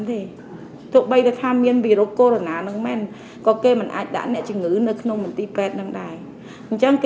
thực ra có virus corona nó không thể đưa người chứng minh vào khu vực đó